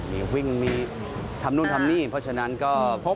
มีวิ่งมีทำนู่นทำนี่เพราะฉะนั้นก็พบ